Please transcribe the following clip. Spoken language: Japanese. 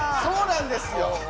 そうなんですよ。